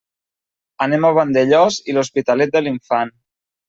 Anem a Vandellòs i l'Hospitalet de l'Infant.